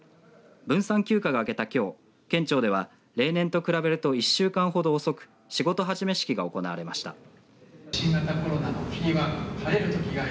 分散休暇が明けたきょう県庁では例年と比べると１週間ほど遅く仕事始め式が行われました。